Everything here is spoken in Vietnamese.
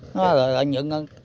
nó là lợi nhuận